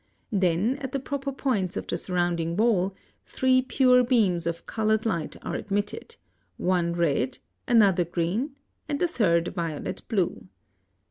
Then, at the proper points of the surrounding wall, three pure beams of colored light are admitted, one red, another green, and the third violet blue.